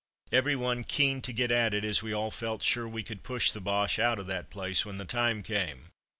Every one keen to get at it, as we all felt sure we could push the Boches out of that place when the time came.